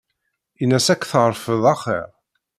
Ina-s ad k-terfed axir.